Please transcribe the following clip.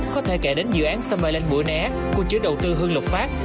có thể kể đến dự án summerland bữa né của chứa đầu tư hương lục phát